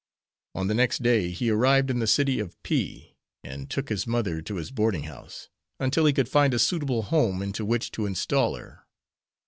On the next day he arrived in the city of P , and took his mother to his boarding house, until he could find a suitable home into which to install her.